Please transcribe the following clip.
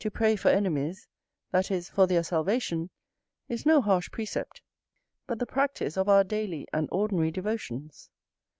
To pray for enemies, that is, for their salvation, is no harsh precept, but the practice of our daily and ordinary devotions.